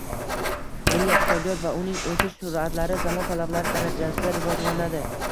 Milliy iqtisodiyot va uning o‘sish sur’atlari zamon talablari darajasida rivojlanading